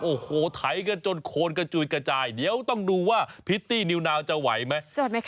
โอ้โหไถกันจนโคนกระจุยกระจายเดี๋ยวต้องดูว่าพิตตี้นิวนาวจะไหวไหมค